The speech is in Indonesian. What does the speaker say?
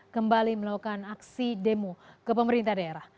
kembali melakukan aksi demo ke pemerintah daerah